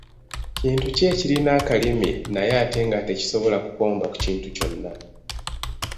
Kintu ki ekirina akalimi naye ate nga tekisobola kukomba ku kintu kyonna?